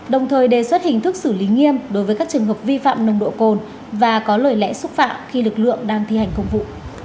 đồng thời đề xuất hình thức xử lý nghiêm đối với các trường hợp vi phạm nồng độ cồn và có lời lẽ xúc phạm khi lực lượng đang thi hành công vụ